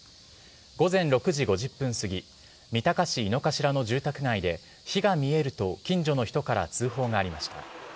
午前６時５０分すぎ三鷹市井の頭の住宅街で火が見えると近所の人から通報がありました。